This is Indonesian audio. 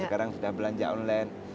sekarang sudah belanja online